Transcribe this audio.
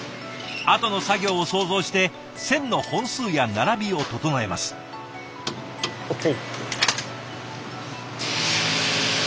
あとの作業を想像して線の本数や並びを整えます。ＯＫ！